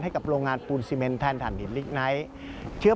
กับโรงงานปูนซีเมนแทนฐานหินลิกไนท์